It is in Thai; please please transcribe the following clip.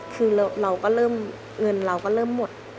คือเราก็เริ่มเงินเราก็เริ่มหมด